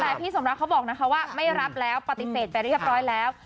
แต่พี่สมรักเขาบอกนะคะว่าไม่รับแล้วปฏิเสธไปเรียบร้อยแล้ว